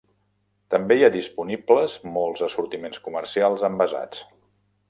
També hi ha disponibles molts assortiments comercials envasats.